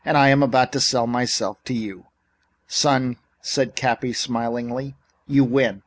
I am about to sell myself to you." "Son," said Cappy smilingly, "you win.